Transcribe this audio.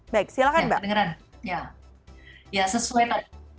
baik silahkan mbak